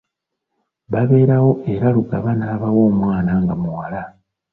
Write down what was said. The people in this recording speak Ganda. Baberawo era Lugaba n’abawa omwana nga muwala.